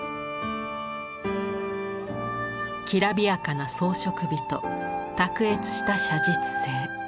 きらびやかな装飾美と卓越した写実性。